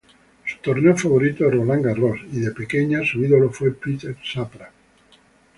Su torneo favorito es Roland Garros y de pequeño su ídolo fue Pete Sampras.